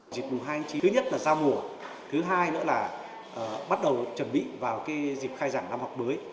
dịp mùa hai thứ nhất là ra mùa thứ hai nữa là bắt đầu chuẩn bị vào dịp khai giảng năm học mới